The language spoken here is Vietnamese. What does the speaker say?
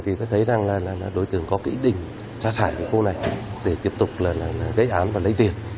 thì tôi thấy rằng là đối tượng có cái ý định ra thải khu này để tiếp tục là gây án và lấy tiền